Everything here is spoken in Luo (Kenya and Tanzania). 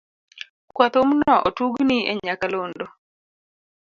Kwa thumno otugni e nyaka londo.